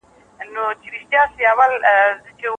افغان کډوال د جګړې له امله پاکستان ته کډه شول.